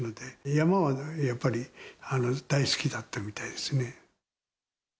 山はやっぱり大好きだったみたいですね。